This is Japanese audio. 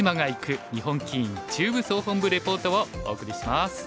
日本棋院中部総本部レポート」をお送りします。